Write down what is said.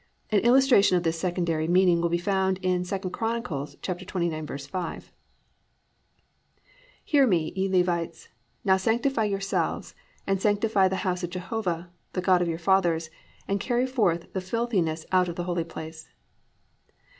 An illustration of this secondary meaning will be found in II Chron. 29:5, +"Hear me, ye Levites; now sanctify yourselves, and sanctify the house of Jehovah, the God of your fathers, and carry forth the filthiness out of the holy place."